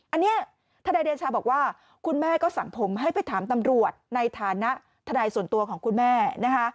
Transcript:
อันนี้ทนายเดชาบอกว่าคุณแม่ก็สั่งผมให้ไปถามตำรวจในฐานะทนายส่วนตัวของคุณแม่นะคะ